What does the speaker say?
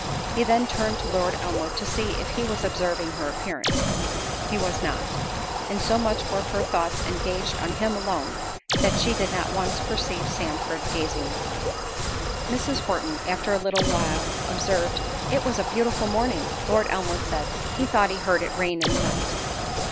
He then turned to Lord Elmwood to see if he was observing her appearance—he was not—and so much were her thoughts engaged on him alone, that she did not once perceive Sandford gazing at her. Mrs. Horton, after a little while observed, "It was a beautiful morning." Lord Elmwood said, "He thought he heard it rain in the night."